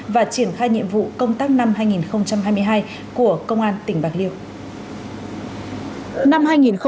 và triển khai nhiệm vụ công tác năm hai nghìn hai mươi hai của công an tỉnh bạc liêu